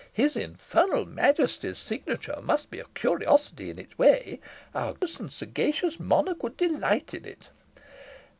His infernal Majesty's signature must be a curiosity in its way. Our gracious and sagacious monarch would delight in it."